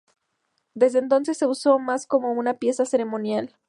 Desde entonces se usó más como una pieza ceremonial.